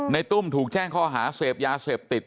ตุ้มถูกแจ้งข้อหาเสพยาเสพติด